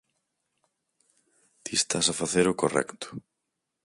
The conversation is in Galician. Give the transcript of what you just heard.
Ti estás a facer o correcto.